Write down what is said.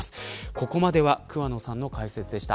ここまでは桑野さんの解説でした。